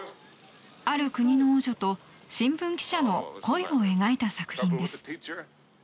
ある国の王女と新聞記者の恋を描いた作品です。